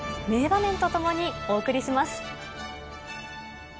名場面とともにお送りします。